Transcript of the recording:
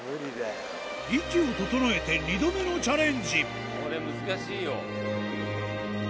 息を調えて、２度目のチャレンジ。